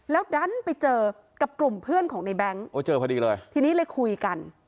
แล้วดันไปเจอกับกลุ่มเพื่อนของในแบงค์ทีนี้เลยคุยกัน